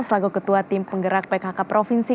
selaga ketua tim penggerak pkk provinsi